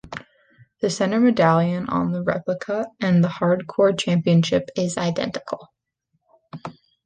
The center medallion on the replica and the Hardcore championship is identical.